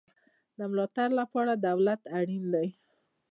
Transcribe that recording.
د ملاتړ لپاره دولت اړین دی